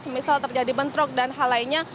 misal terjadi bentrok dan hal lainnya